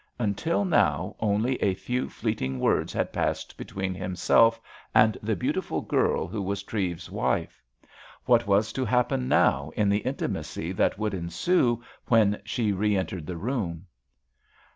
Until now only a few fleeting words had passed between himself and the beautiful girl who was Treves's wife. What was to happen now in the intimacy that would ensue when she re entered the room?